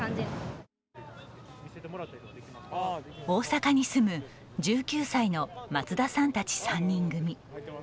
大阪に住む１９歳の松田さんたち３人組。